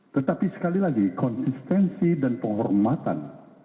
tetapi sekali lagi konsistensi dan penghormatan